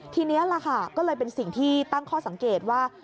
ทีนี้ล่ะค่ะก็เลยเป็นสิ่งที่ตั้งข้อสังเกตว่า